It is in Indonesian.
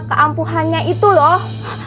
keampuhannya itu loh